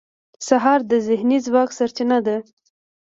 سهار د ذهني ځواک سرچینه ده.